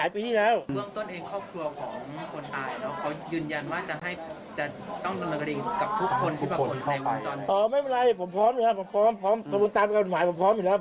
ไม่เป็นไรผมพร้อมตามการค้นหมายผมพร้อมมานะครับ